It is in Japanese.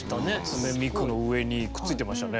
初音ミクの上にくっついてましたね。